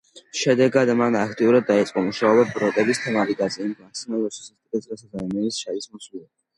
შედეგად, მან აქტიურად დაიწყო მუშაობა ბოროტების თემატიკაზე, იმ მაქსიმალურ სისასტიკეზე, რასაც ადამიანი სჩადის მოცულობა.